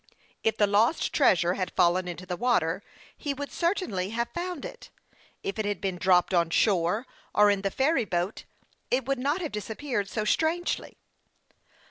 If the lost treasure had fallen into the water, he would certainly have found it. If it had been dropped on shore or in the ferry boat, it could not have disap peared so strangely.